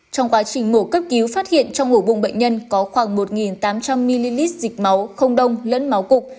trong quá trình mổ cấp cứu phát hiện trong ngủ vùng bệnh nhân có khoảng một tám trăm linh ml dịch máu không đông lẫn máu cục